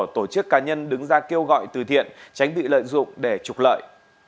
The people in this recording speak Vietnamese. tổ chức cá nhân đứng ra kêu gọi từ thiện tránh bị lợi dụng để trục lợi